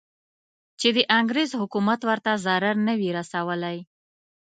چې د انګریز حکومت ورته ضرر نه وي رسولی.